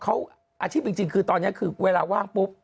เขาอาชีพจริงคือตอนนี้คือเวลาว่างปุ๊บ